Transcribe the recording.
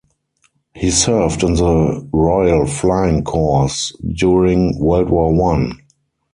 He served in the Royal Flying Corps during World War One.